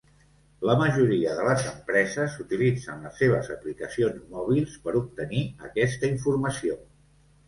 La majoria de les empreses utilitzen les seves aplicacions mòbils per obtenir aquesta informació.